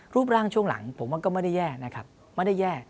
รูปร่างช่วงหลังผมว่าก็ไม่ได้แย่นะครับไม่ได้แย่